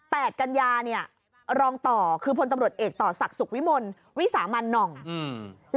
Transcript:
กัญญาเนี่ยรองต่อคือพลตำรวจเอกต่อศักดิ์สุขวิมลวิสามันหน่องอืม